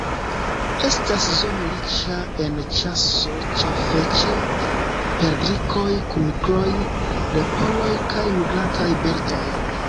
Estas zono riĉa en ĉaso ĉefe ĉe perdrikoj, kunikloj, leporoj kaj migrantaj birdoj.